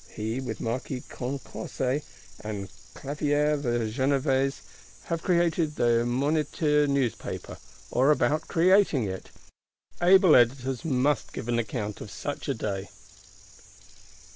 He, with Marquis Condorcet, and Clavière the Genevese "have created the Moniteur Newspaper," or are about creating it. Able Editors must give account of such a day.